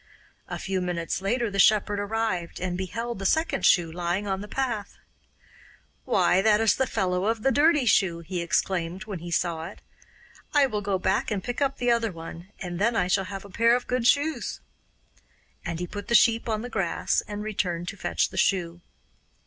A few minutes after the shepherd arrived, and beheld the second shoe lying on the path. 'Why, that is the fellow of the dirty shoe!' he exclaimed when he saw it. 'I will go back and pick up the other one, and then I shall have a pair of good shoes,' and he put the sheep on the grass and returned to fetch the shoe.